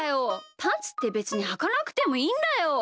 パンツってべつにはかなくてもいいんだよ。